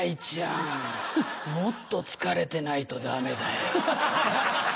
ちゃんもっと疲れてないとダメだよ。